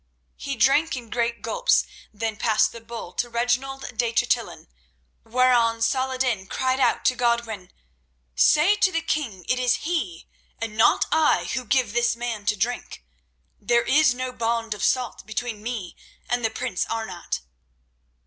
He drank in great gulps, then passed the bowl to Reginald de Chatillon, whereon Saladin cried out to Godwin: "Say to the king it is he and not I who gives this man to drink. There is no bond of salt between me and the prince Arnat."